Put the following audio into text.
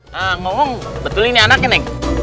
nah ngomong betul ini anaknya neng